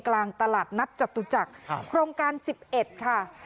กลางตลาดนัดจตุจักรโครงการ๑๑ค่ะ